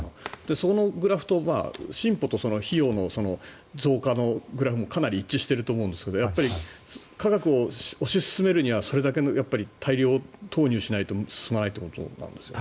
そのグラフと進歩と費用の増加のグラフもかなり一致していると思うんですがやっぱり科学を推し進めるにはそれだけ大量投入しないと進まないということなんですか。